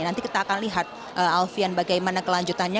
nanti kita akan lihat alfian bagaimana kelanjutannya